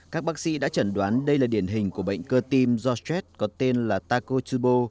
các bác sĩ đã chẩn đoán đây là điển hình của bệnh cơ tim do stress có tên là tacochubo